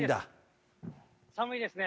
寒いですね。